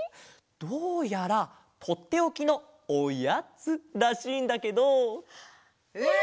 どうやらとっておきの「おやつ」らしいんだけど。え！？